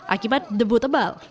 akibat debu tebal